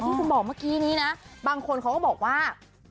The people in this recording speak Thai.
ที่คุณบอกเมื่อกี้นี้นะบางคนเขาก็บอกว่า